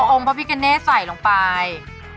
เอาอมพระพิกัณฑ์ใส่ลงไป